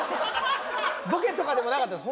ボケとかでもなかったです